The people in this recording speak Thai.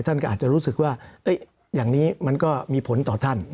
ท่านก็อาจจะรู้สึกว่าอย่างนี้มันก็มีผลต่อท่าน